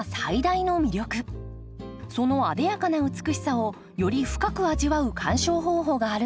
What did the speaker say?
その艶やかな美しさをより深く味わう鑑賞方法があるんです。